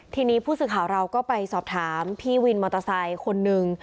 ทีนี้ผู้สื่อข่าวเราก็ไปสอบถามพี่วินมอเตอร์ไซค์คนนึง